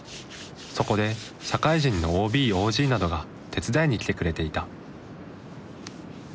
そこで社会人のＯＢ・ＯＧなどが手伝いに来てくれていた。